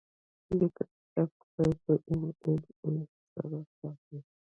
د لیکنې سبک باید د ایم ایل اې سره سم وي.